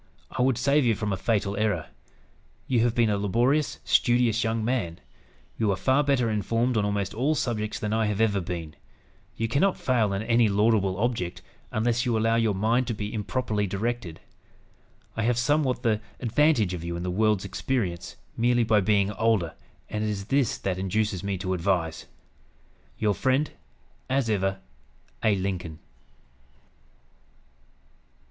I would save you from a fatal error. You have been a laborious, studious young man. You are far better informed on almost all subjects than I have ever been. You cannot fail in any laudable object, unless you allow your mind to be improperly directed. I have somewhat the advantage of you in the world's experience, merely by being older; and it is this that induces me to advise. "Your friend, as ever, "A. LINCOLN."